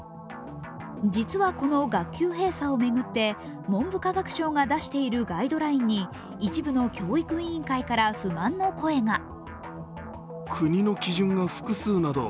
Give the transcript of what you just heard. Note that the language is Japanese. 実はこの学級閉鎖を巡って、文部科学省が出しているガイドラインに一部の教育委員会から不満の声が。